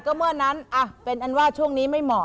ก็เมื่อนั้นเป็นอันว่าช่วงนี้ไม่เหมาะ